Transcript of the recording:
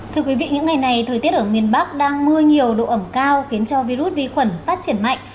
thưa quý vị những ngày này thời tiết ở miền bắc đang mưa nhiều độ ẩm cao khiến cho virus vi khuẩn phát triển mạnh